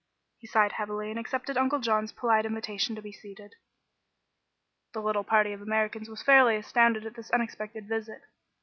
He sighed heavily and accepted Uncle John's polite invitation to be seated. The little party of Americans was fairly astounded by this unexpected visit.